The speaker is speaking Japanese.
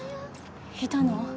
いたの！